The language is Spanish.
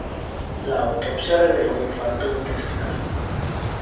La autopsia reveló infarto intestinal.